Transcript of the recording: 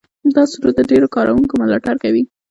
دا سرور د ډېرو کاروونکو ملاتړ کوي.